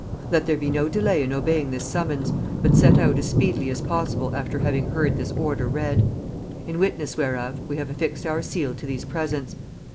"Let there be no delay in obeying this summons, but set out as speedily as possible after having heard this order read. "In witness whereof we have affixed our seal to these presents.